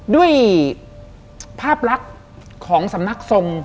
ด้วยภาพลักษณ์ของสำนักทรง